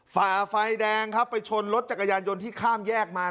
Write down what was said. ฝ่าไฟแดงครับไปชนรถจักรยานยนต์ที่ข้ามแยกมา